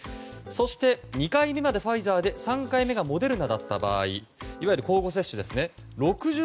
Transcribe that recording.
そして２回目までファイザーで３回目がモデルナだった場合いわゆる交互接種ですね。